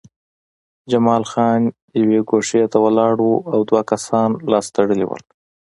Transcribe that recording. جمال خان یوې ګوښې ته ولاړ و او دوه کسان لاس تړلي وو